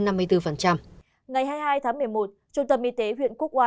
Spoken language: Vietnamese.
ngày hai mươi hai tháng một mươi một trung tâm y tế huyện quốc oai